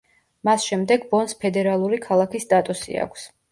მას შემდეგ ბონს ფედერალური ქალაქის სტატუსი აქვს.